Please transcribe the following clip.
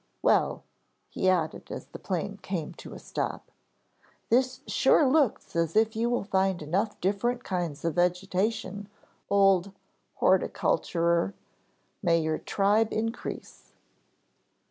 "Well," he added as the plane came to a stop, "this sure looks as if you will find enough different kinds of vegetation, old Horticulturer, may your tribe increase."